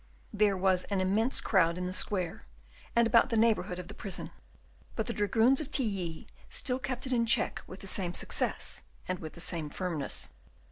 There was an immense crowd in the square and about the neighbourhood of the prison. But the dragoons of Tilly still kept it in check with the same success and with the same firmness.